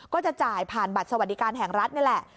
ก็จะจ่ายผ่านบัตรสวัสดิการแห่งรัฐนี่แหละ